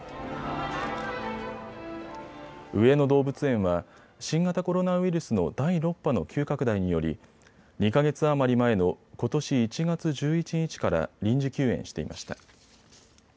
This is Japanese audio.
上野動物園は新型コロナウイルスの第６波の急拡大により２か月余り前のことし１月１１日から臨時休園していました。